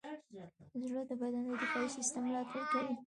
زړه د بدن د دفاعي سیستم ملاتړ کوي.